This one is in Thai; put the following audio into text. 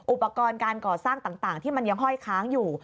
อุปกรณ์การก่อสร้างต่างที่มันยังห้อยค้างอยู่